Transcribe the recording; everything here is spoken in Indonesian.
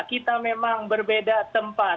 kita memang berbeda tempat